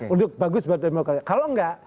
untuk bagus buat demokrasi kalau nggak